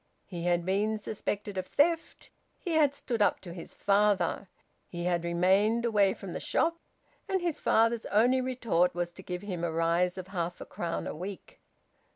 He had been suspected of theft. He had stood up to his father. He had remained away from the shop. And his father's only retort was to give him a rise of half a crown a week!